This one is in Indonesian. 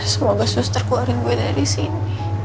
semoga sus terkeluarin gue dari sini